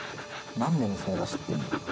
なんで娘が知ってんだ？